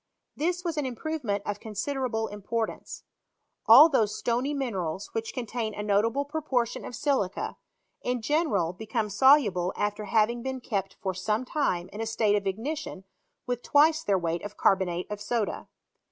This was an improvement of considerable import ance. All those stony minerals which contain a notable proportion of silica, in general become solu~ ble after having been kept for some time in a state of ignition with twice their weight of carbonate of soda.